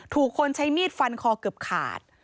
ถูกคนใช้มีดฟันคอเกือบขาด